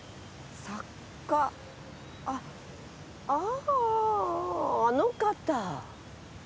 あっあああああの方。